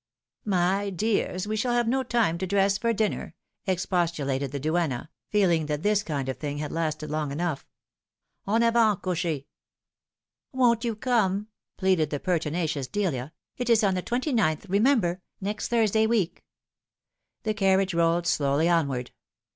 " My dears, we shall have no time to dress for dinner !" expostulated the duenna, feeling that this kind of thing had lasted long enough. " En avant, cocker." " Won't you come ?" pleaded the pertinacious Delia ;" it ia on the twenty ninth, remember next Thursday week." The carriage rolled slowly onward.